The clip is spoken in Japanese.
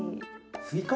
スイカ？